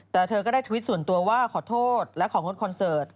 แต่เธอก็ได้ทวิตส่วนตัวว่าขอโทษและของงดคอนเสิร์ต